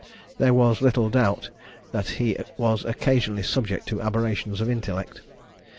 There was little doubt that he was occasionally subject to aberrations of intellect.